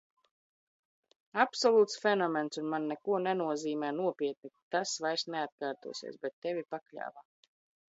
Absolūts fenomens un man neko nenozīmē, nopietni, tas vairs neatkārtosies.... bet tevi pakļāva!